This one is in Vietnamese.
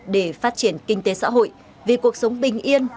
để phát triển kinh tế xã hội vì cuộc sống bình yên